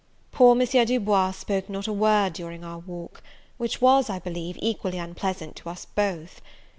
Poor M. Du Bois spoke not a word during our walk, which was, I believe, equally unpleasant to us both.